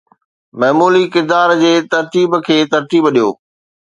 معمولي ڪردار جي ترتيب کي ترتيب ڏيو